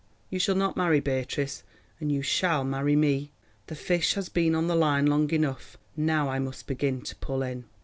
You shall not marry Beatrice, and you shall marry me. The fish has been on the line long enough, now I must begin to pull in."